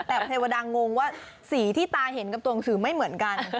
แต่เทวดางงว่าสีที่ตาเห็นกับตัวหนังสือไม่เหมือนกัน